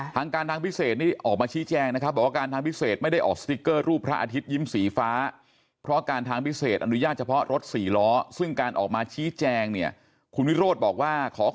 ทางการทางพิเศษนี่ออกมาชี้แจงนะครับบอกว่าการทางพิเศษไม่ได้ออกสติ๊กเกอร์รูปพระอาทิตย์ยิ้มสีฟ้า